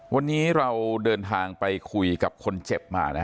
วันนี้เราเดินทางไปคุยกับคนเจ็บมานะฮะ